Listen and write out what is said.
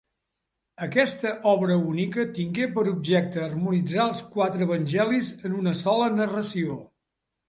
Aquesta obra única tingué per objecte harmonitzar els quatre evangelis en una sola narració.